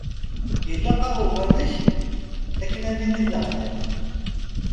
Ilaq-aɣ Uwanek akken ad nili d aɣlan.